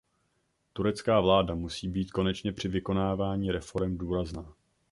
Turecká vláda musí být konečně při vykonávaní reforem důrazná.